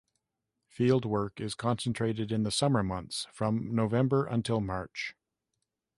Fieldwork is concentrated in the summer months from November until March.